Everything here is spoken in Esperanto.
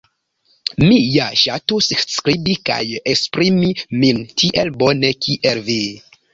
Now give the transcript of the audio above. Mi ja ŝatus skribi kaj esprimi min tiel bone kiel vi.